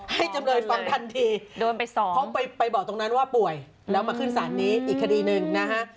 จำเลยฟังทันทีเพราะไปบอกตรงนั้นว่าป่วยแล้วมาขึ้นศาลนี้อีกคดีหนึ่งนะฮะ